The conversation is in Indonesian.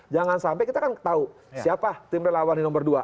jangan sampai kita kan tahu siapa tim relawan di nomor dua